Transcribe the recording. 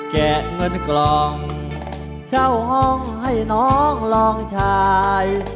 แกะเงินกล่องเช่าห้องให้น้องลองชาย